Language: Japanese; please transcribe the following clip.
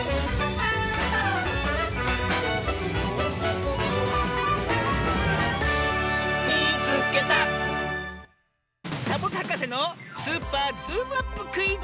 サボノミズはかせの「スーパーズームアップクイズ」！